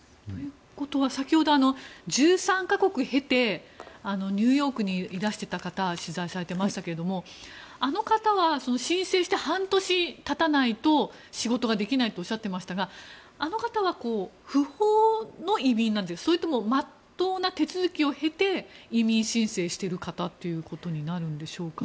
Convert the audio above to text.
本当は先ほど１３か国経てニューヨークにいらしていた方を取材されていましたけどあの方は、申請して半年経たないと仕事ができないとおっしゃっていましたがあの方は、不法の移民なんですかそれともまっとうな手続きを経て移民申請をしている方ということになるんですか？